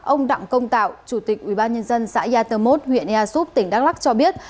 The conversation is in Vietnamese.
ông đặng công tạo chủ tịch ubnd xã yat tơ mốt huyện ea xúc tỉnh đắk lắc cho biết